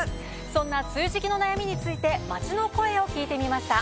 そんな梅雨時期の悩みについて街の声を聞いてみました。